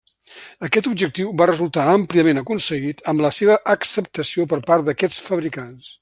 Aquest objectiu va resultar àmpliament aconseguit amb la seva acceptació per part d'aquests fabricants.